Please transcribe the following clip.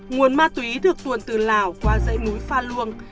nguồn ma túy được tuồn từ lào qua dãy núi pha luông